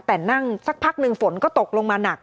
แต่นั่งสักพักหนึ่งฝนก็ตกลงมาหนัก